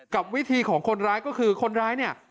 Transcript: กับวิธีของคนร้ายก็คือคนร้ายเนี่ย